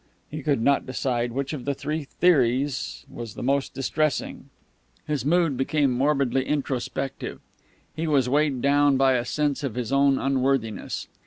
He could not decide which of the three theories was the most distressing. His mood became morbidly introspective. He was weighed down by a sense of his own unworthiness.